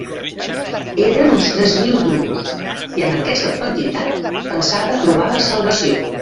Eren uns tres mil duros, i amb aquesta quantitat pensava trobar la salvació.